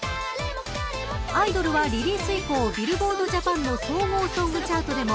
アイドルは、リリース以降ビルボードジャパンの総合ソングチャートでも